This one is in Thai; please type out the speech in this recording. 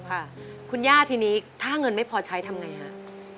ค่ะคุณย่าทีนี้ถ้าเงินไม่พอใช้ทำไงฮะ